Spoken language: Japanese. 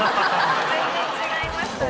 全然違いましたね。